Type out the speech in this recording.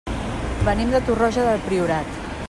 Venim de Torroja del Priorat.